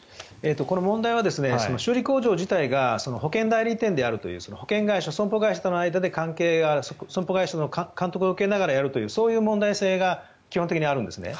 問題は修理工場自体が保険代理店であるという保険会社、損保会社との間で損保会社の監督を受けながらやるという、そういう問題性が基本的にあるんですね。